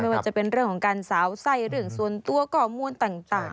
ว่าจะเป็นเรื่องของการสาวไส้เรื่องส่วนตัวข้อมูลต่าง